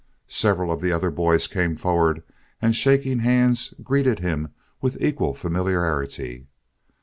Several of the other boys came forward and, shaking hands, greeted him with equal familiarity.